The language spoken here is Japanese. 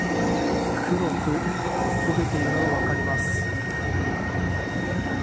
黒く焦げているのが分かります。